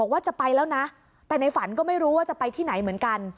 ว่าจะไปแล้วนะแต่ในฝันก็ไม่รู้ว่าจะไปที่ไหนเหมือนกัน